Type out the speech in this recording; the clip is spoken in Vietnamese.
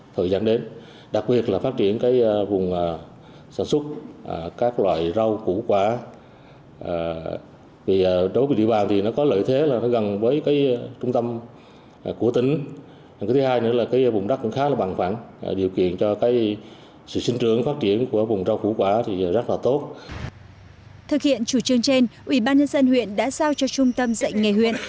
thực hiện chủ trương trên ủy ban nhân dân huyện đã giao cho trung tâm dạy nghề huyện